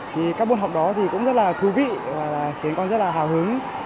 thì các môn học đó thì cũng rất là thú vị và khiến con rất là hào hứng